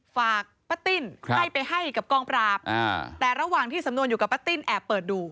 ฝากป้าติ้นให้ไปให้กับกองปราบแต่ระหว่างที่สำนวนอยู่กับป้าติ้นแอบเปิดดู